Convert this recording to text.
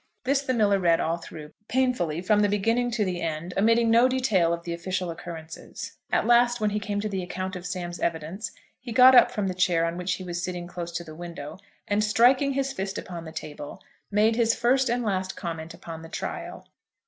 This the miller read all through, painfully, from the beginning to the end, omitting no detail of the official occurrences. At last, when he came to the account of Sam's evidence, he got up from the chair on which he was sitting close to the window, and striking his fist upon the table, made his first and last comment upon the trial.